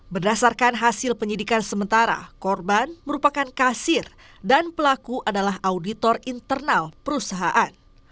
berdasarkan hasil penyidikan sementara korban merupakan kasir dan pelaku adalah auditor internal perusahaan